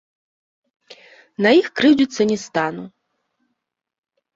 На іх крыўдзіцца не стану.